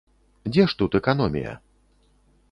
Дзе ж тут эканомія?